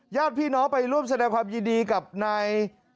ญาติพี่น้องไปร่วมแสดงความยินดีกับนาย